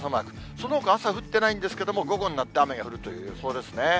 そのほか、朝降ってないんですけれども、午後になって雨が降るという予報ですね。